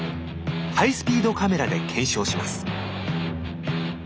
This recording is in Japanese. ハイスピードカメラで検証します